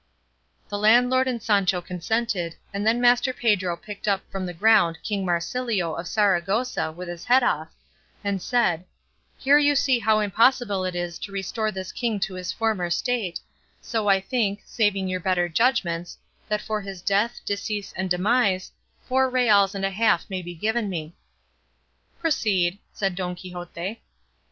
The landlord and Sancho consented, and then Master Pedro picked up from the ground King Marsilio of Saragossa with his head off, and said, "Here you see how impossible it is to restore this king to his former state, so I think, saving your better judgments, that for his death, decease, and demise, four reals and a half may be given me." "Proceed," said Don Quixote.